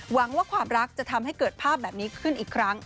หวังว่าความรักจะทำให้เกิดภาพแบบนี้ขึ้นอีกครั้ง